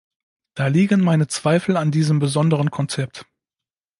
Da liegen meine Zweifel an diesem besonderen Konzept.